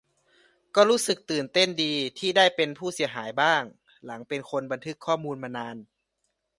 ก็รู้สึกตื่นเต้นดีที่ได้เป็นผู้เสียหายบ้าง หลังเป็นคนบันทึกข้อมูลมานาน